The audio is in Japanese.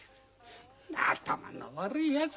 頭の悪いやつだな。